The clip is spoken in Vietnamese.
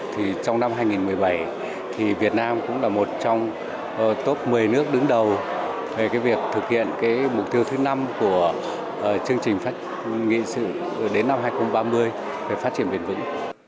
thì việt nam cũng là một trong top một mươi nước đứng đầu về việc thực hiện mục tiêu thứ năm của chương trình nghị sự đến năm hai nghìn ba mươi về phát triển bền vững